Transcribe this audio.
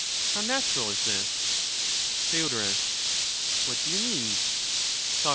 How natural is this ! Theod. What do you mean ? Soc.